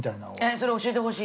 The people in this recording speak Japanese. ◆それを教えてほしい。